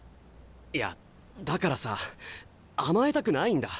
いやだからさ甘えたくないんだ。